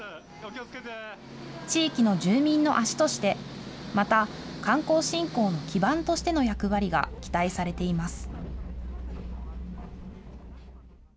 地域の住民の足として、また、観光振興の基盤としての役割が期待されています。